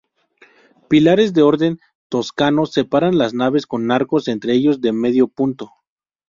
Pilares de orden toscano separan las naves con arcos entre ellos de medio punto.